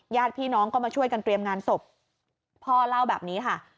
ญาติพี่น้องก็มาช่วยกันเตรียมงานศพพ่อเล่าแบบนี้ค่ะ